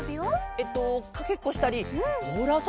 えっとかけっこしたりボールあそびしたり。